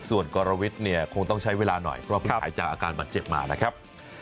ส่วนกรวิทย์เนี่ยคงต้องใช้เวลาหน่อยเพราะเพิ่งหายจากอาการบาดเจ็บมานะครับ